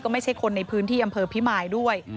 ไม่ใช่คนในพื้นที่อำเภอพิมายด้วย